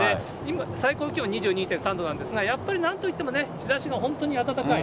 最高気温２２．３度なんですが、やっぱりなんといっても日ざしが本当に暖かい。